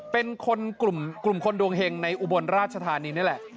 เป็นคนกลุ่มคนดวงเห็งในอุบลราชธานีนี่แหละ